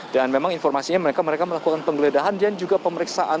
dan memang informasinya mereka melakukan penggeledahan dan juga pemeriksaan